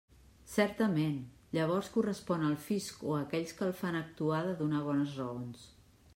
Certament, llavors correspon al fisc o a aquells que el fan actuar de donar bones raons.